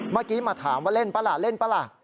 เมื่อกี้มาถามว่าเล่นป่ะล่ะเล่นป่ะล่ะ